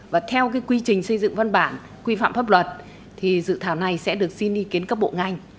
và theo cái quy trình xây dựng văn bản quy phạm pháp luật thì dự thảo này sẽ được xin ý kiến các bộ ngành